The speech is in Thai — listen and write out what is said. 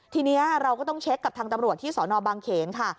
ทีนี้เราก็ต้องเช็คกับทางตำรวจที่สนบางเขนค่ะ